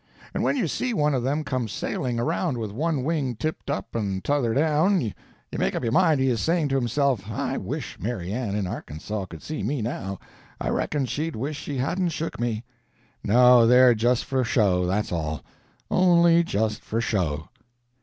And when you see one of them come sailing around with one wing tipped up and t'other down, you make up your mind he is saying to himself: 'I wish Mary Ann in Arkansaw could see me now. I reckon she'd wish she hadn't shook me.' No, they're just for show, that's all—only just for show."